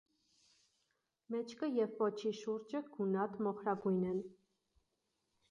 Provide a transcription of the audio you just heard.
Մեջքը և պոչի շուրջը գունատ մոխրագույն են։